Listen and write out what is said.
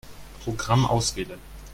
Programm auswählen.